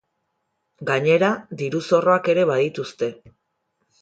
Gainera, diru-zorroak ere badituzte.